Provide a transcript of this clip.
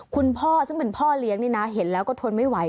คุณพ่อซึ่งเป็นพ่อเลี้ยงนี่นะเห็นแล้วก็ทนไม่ไหว